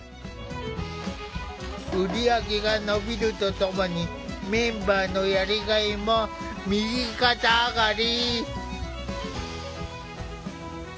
売り上げが伸びるとともにメンバーのやりがいも右肩上がり。